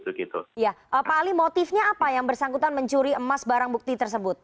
pak ali motifnya apa yang bersangkutan mencuri emas barang bukti tersebut